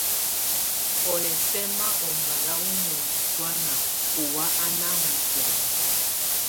Ɔ́ lɛ̀ sɛma ɔbala wɔ̀ mɔndɔ tɔ̀ána ɔwa á nà ɔŋ tɔ̀mba.